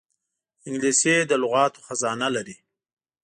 انګلیسي د لغاتو خزانه لري